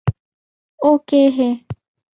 ও কে হে!